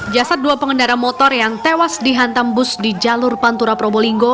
jasad dua pengendara motor yang tewas dihantam bus di jalur pantura probolinggo